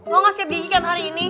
lo gak sikat gigi kan hari ini